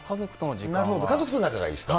家族と仲がいいですか。